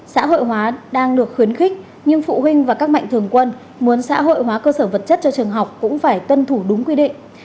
xã hội hóa đang được khuyến khích nhưng phụ huynh và các mạnh thường quân muốn xã hội hóa cơ sở vật chất cho trường học cũng phải tuân thủ đúng quy định